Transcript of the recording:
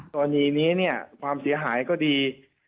ตอนนี้ความเสียหายก็ดี